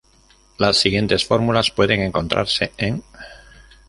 Las siguientes fórmulas pueden encontrarse en.